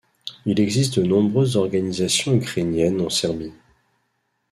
Il existe de nombreuses organisations ukrainiennes en Serbie.